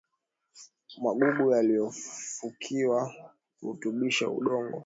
magugu yaliyofukiwa hurutubisha udongo